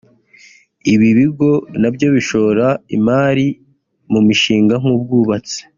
Ibi bigo nabyo bishora imari mu mishinga nk’ubwubatsi